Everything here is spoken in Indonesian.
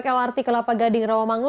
kita vaiase lihat langkah langkah